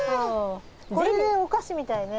これでお菓子みたいね。